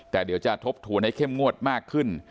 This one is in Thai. แต่เดี๋ยวจะทบทวนให้เข้มงวดมากขึ้น